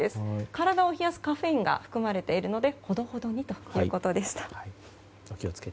体を冷やすカフェインが含まれているのでほどほどにということでした。